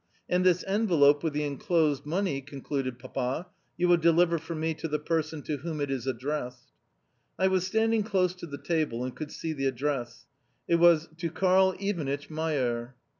"And this envelope with the enclosed money," concluded Papa, "you will deliver for me to the person to whom it is addressed." I was standing close to the table, and could see the address. It was "To Karl Ivanitch Mayer."